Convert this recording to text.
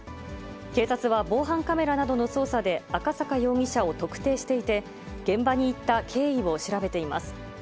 警察は防犯カメラなどの捜査で赤坂容疑者を特定していて、現場に行った経緯を調べています。